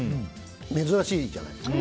珍しいじゃないですか。